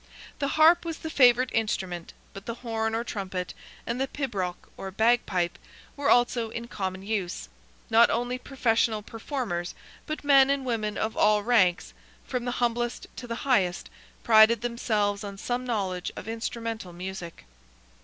The harp was the favourite instrument, but the horn or trumpet, and the pibroch or bagpipe, were also in common use. Not only professional performers, but men and women of all ranks, from the humblest to the highest, prided themselves on some knowledge of instrumental music.